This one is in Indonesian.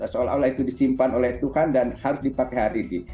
seolah olah itu disimpan oleh tuhan dan harus dipakai hari ini